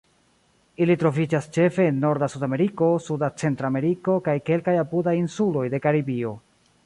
Ili troviĝas ĉefe en norda Sudameriko, suda Centrameriko, kaj kelkaj apudaj insuloj de Karibio.